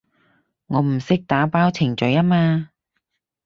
我唔識打包程序吖嘛